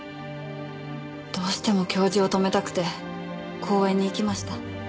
どうしても教授を止めたくて公園に行きました。